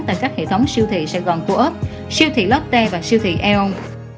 tại các hệ thống siêu thị sài gòn cô ấp siêu thị lotte và siêu thị eon